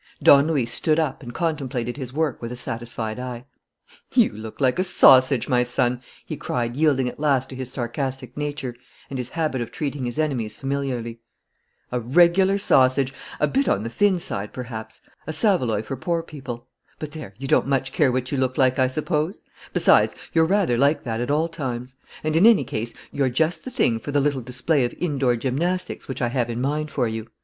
Don Luis stood up and contemplated his work with a satisfied eye. "You look like a sausage, my son!" he cried, yielding at last to his sarcastic nature and his habit of treating his enemies familiarly. "A regular sausage! A bit on the thin side, perhaps: a saveloy for poor people! But there, you don't much care what you look like, I suppose? Besides, you're rather like that at all times; and, in any case, you're just the thing for the little display of indoor gymnastics which I have in mind for you.